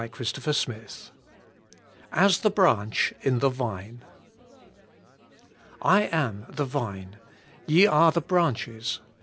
ABIDE IN CHEIST AS THE BRANCH IN THE VINE. *I am the Vine, ye are the branches.